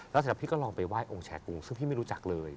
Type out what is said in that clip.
สินะเขาก็ลองไปไหว้องค์แชร์กรุงซึ่งพี่ไม่รู้จักเลย